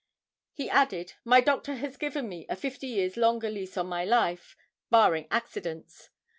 He added: "My doctor has given me a fifty years' longer lease on my life, barring accidents.